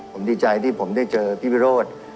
ผมดีใจที่ผมได้เจอพี่พี่โรศน์